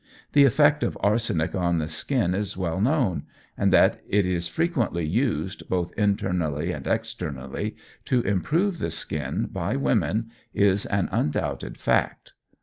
The effect of arsenic on the skin is well known, and that it is frequently used, both internally and externally, to improve the skin, by women, is an undoubted fact.